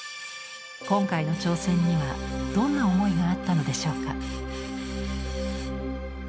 今回の挑戦にはどんな思いがあったのでしょうか。